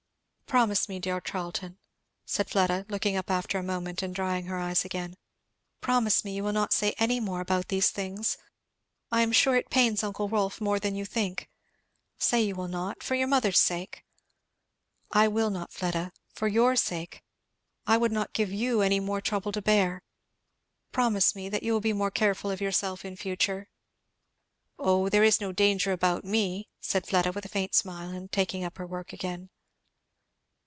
"Promise me, dear Charlton," said Fleda looking up after a moment and drying her eyes again, "promise me you will not say any more about these things! I am sure it pains uncle Rolf more than you think. Say you will not, for your mother's sake!" "I will not, Fleda for your sake. I would not give you any more trouble to bear. Promise me; that you will be more careful of yourself in future." "O there is no danger about me," said Fleda with a faint smile and taking up her work again.